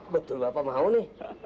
betul bapak mau nih